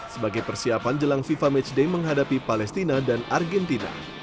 sebagai persiapan jelang fifa matchday menghadapi palestina dan argentina